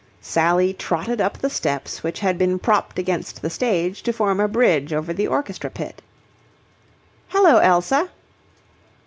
Sally trotted up the steps which had been propped against the stage to form a bridge over the orchestra pit. "Hello, Elsa."